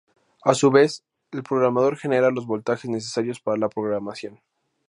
A su vez, el programador genera los voltajes necesarios para la programación.